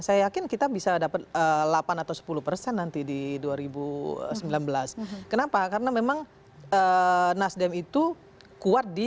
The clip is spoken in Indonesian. saya yakin kita bisa dapat delapan atau sepuluh persen nanti di dua ribu sembilan belas kenapa karena memang nasdem itu kuat di